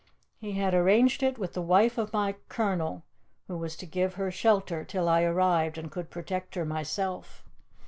He had arranged it with the wife of my colonel, who was to give her shelter till I arrived, and could protect her myself.